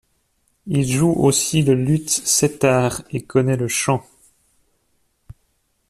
Il joue aussi le luth setâr, et connaît le chant.